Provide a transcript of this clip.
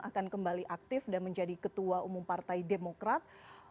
akan kembali aktif dan menjadi ketua umum partai demokrat